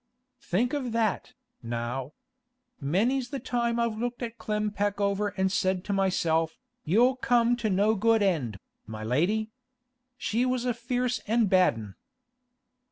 'Think of that, now! Many's the time I've looked at Clem Peckover and said to myself, "You'll come to no good end, my lady!" She was a fierce an' bad 'un.